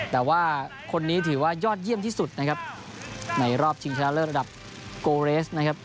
แต่ว่าคนนี้ถือว่ายอดเยี่ยมที่สุดนะครับในรอบชิงชนะเลิศระดับโกเรสนะครับ